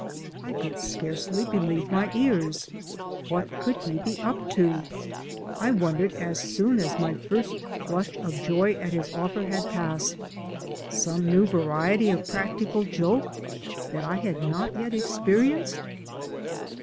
I could scarcely believe my ears. What could he be up to? I wondered as soon as my first flush of joy at his offer had passed. Some new variety of practical joke that I had not yet ex perienced?